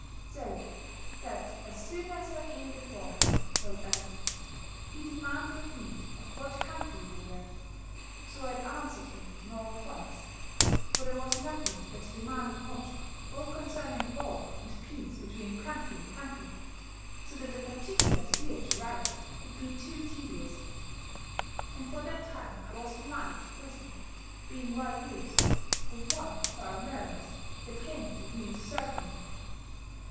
"Soe that as soon as I came before him," wrote Adams, "he demanded of me of what countrey we were: so I answered him in all points; for there was nothing that he demanded not, both concerning warre and peace between countrey and countrey: so that the particulars here to wryte would be too tedious. And for that time I was commanded to prison, being well vsed, with one of our mariners that cam with me to serue me."